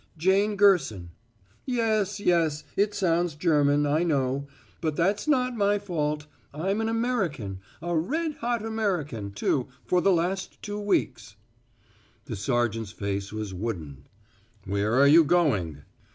"Jane Gerson. Yes, yes, it sounds German, I know. But that's not my fault. I'm an American a red hot American, too, for the last two weeks." The sergeant's face was wooden. "Where are you going?"